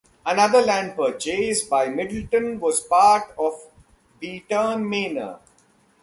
Another land purchase by Middleton was part of Bitterne Manor.